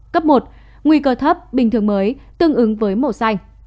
cấp một nguy cơ thấp bình thường mới tương ứng với màu xanh